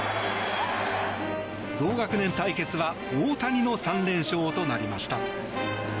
同学年対決は大谷の３連勝となりました。